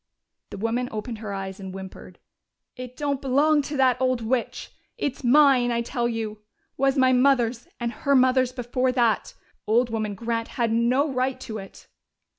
The woman opened her eyes and whimpered. "It don't belong to that old witch! It's mine, I tell you! Was my mother's, and her mother's before that. Old woman Grant had no right to it."